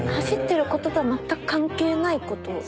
走ってることとは全く関係ないこと。